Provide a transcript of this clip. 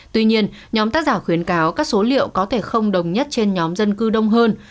tuy nhiên nhóm tác giả khuyến cáo các số liệu có thể không đồng nhất trên nhóm dân cư đông hơn